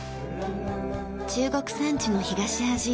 中国山地の東端